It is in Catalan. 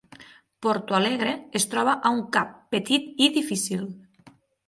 Porto Alegre es troba a un cap petit i difícil.